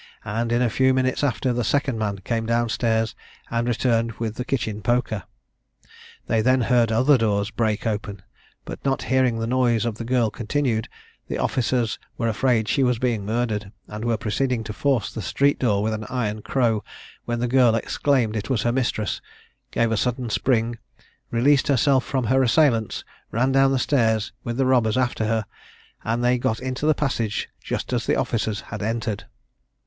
and, in a few minutes after, the second man came down stairs, and returned with the kitchen poker. They then heard other doors break open; but not hearing the noise of the girl continued, the officers were afraid she was being murdered, and were proceeding to force the street door with an iron crow, when the girl exclaimed it was her mistress, gave a sudden spring, released herself from her assailants, ran down stairs, with the robbers after her: and they got into the passage just as the officers had entered.